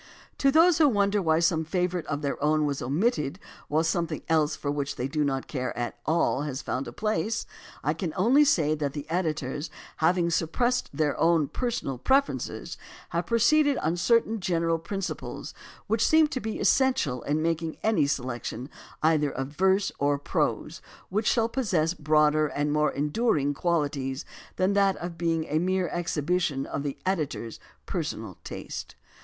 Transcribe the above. To those who wonder why some favorite of their own was omitted while something else for which they do not care at all has found a place, I can only say that the editors, having suppressed their own personal preferences, have proceeded on certain general prin ciples which seem to be essential in making any selec tion either of verse or prose which shall possess broader and more enduring qualities than that of being a mere exhibition of the editor's personal taste.